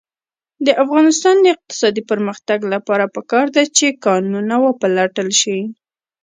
د افغانستان د اقتصادي پرمختګ لپاره پکار ده چې کانونه وپلټل شي.